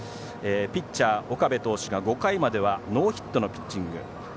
ピッチャー、岡部投手が５回まではノーヒットのピッチング。